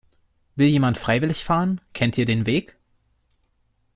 Will jemand freiwillig fahren? Kennt ihr den Weg?